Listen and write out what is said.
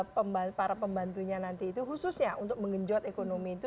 mampu mengambil gitu ya pembantar pembantunya nanti itu khususnya untuk menginjot ekonomi itu